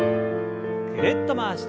ぐるっと回して。